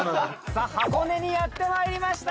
さあ箱根にやってまいりました。